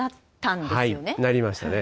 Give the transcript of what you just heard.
なりましたね。